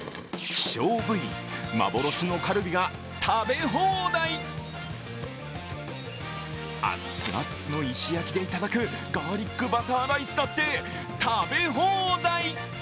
希少部位、幻のカルビが食べ放題熱々の石焼きで頂くガーリックバターライスだって食べ放題。